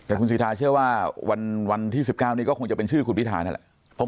แต่คุณสิทาเชื่อว่าวันที่๑๙นี้ก็คงจะเป็นชื่อคุณพิธานั่นแหละ